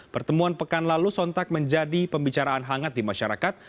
pertemuan pekan lalu sontak menjadi pembicaraan hangat di masyarakat